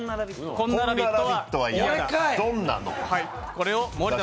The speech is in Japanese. こんな「ラヴィット！」は嫌だ！